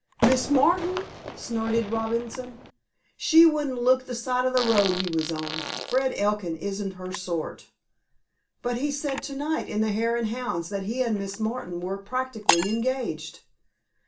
"Miss Martin!" snorted Robinson. "She wouldn't look the side of the road he was on. Fred Elkin isn't her sort." "But he said to night in the Hare and Hounds that he and Miss Martin were practically engaged."